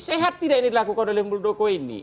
sehat tidak yang dilakukan oleh muldoko ini